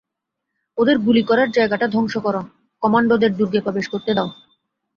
ওদের গুলি করার জায়গাটা ধ্বংস কর, কমান্ডোদের দুর্গে প্রবেশ করতে দাও!